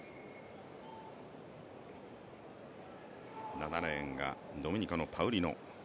７レーンがドミニクのパウリノ。